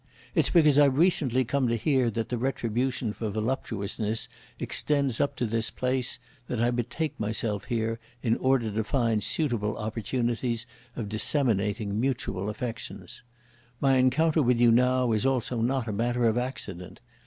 It's because I've recently come to hear that the retribution for voluptuousness extends up to this place, that I betake myself here in order to find suitable opportunities of disseminating mutual affections. My encounter with you now is also not a matter of accident!